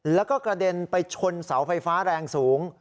แล้วก็กระเด็นไปชนเสาไฟฟ้าแรงสูง